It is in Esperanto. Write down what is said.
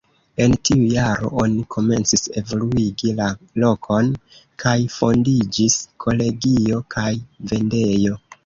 En tiu jaro oni komencis evoluigi la lokon, kaj fondiĝis kolegio kaj vendejo.